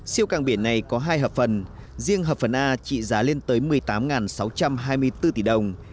siêu càng biển này có hai hợp phần riêng hợp phần a trị giá lên tới một mươi tám sáu trăm hai mươi bốn tỷ đồng